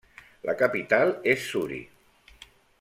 La capital és Suri.